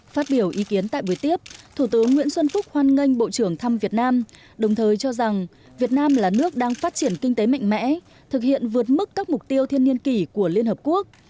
phát biểu ý kiến tại buổi tiếp thủ tướng nguyễn xuân phúc hoan nghênh bộ trưởng thăm việt nam đồng thời cho rằng việt nam là nước đang phát triển kinh tế mạnh mẽ thực hiện vượt mức các mục tiêu thiên niên kỷ của liên hợp quốc